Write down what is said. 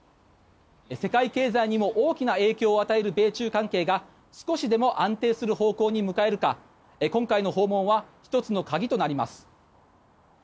世界経済にも大きな影響を与える米中関係が少しでも安定する方向に向かえるか今回の訪問は１つの鍵となります。